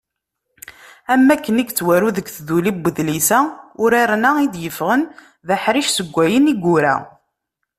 Am wakken i yettwaru deg tduli n udlis-a, uraren-a i d-yeffɣen d aḥric seg wayen i yura.